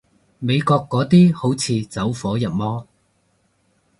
美國嗰啲好似走火入魔